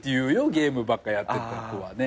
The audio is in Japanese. ゲームばっかやってた子はね。